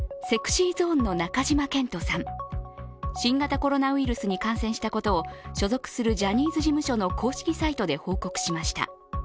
ＳｅｘｙＺｏｎｅの中島健人さん、新型コロナウイルスに感染したことを所属するジャニーズ事務所の公式サイトで報告されました。